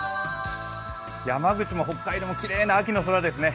山口も北海道も、きれいな秋の空ですね。